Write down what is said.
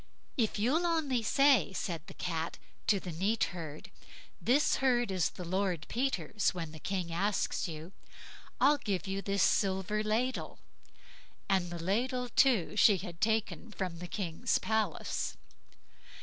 "If you'll only say", said the Cat to the neat herd, "this herd is Lord Peter's, when the King asks you, I'll give you this silver ladle"; and the ladle too she had taken from the King's palace.